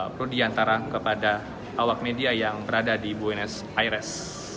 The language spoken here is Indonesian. perlu diantara kepada awak media yang berada di buenos aires